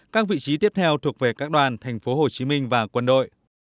các vị trí tiếp theo thuộc về các đoàn thành phố hồ chí minh và quân đội